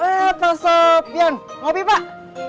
eh pak sopyan mau opi pak